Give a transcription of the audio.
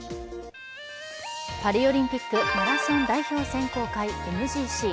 パリオリンピックマラソン代表選考会ＭＧＣ。